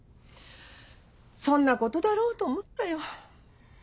そんなことだろうと思ったよ。